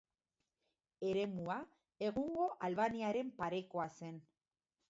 Eremua egungo Albaniaren parekoa zen.